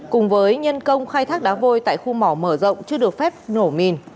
cùng với nhân công khai thác đá vôi tại khu mỏ mở rộng chưa được phép nổ mìn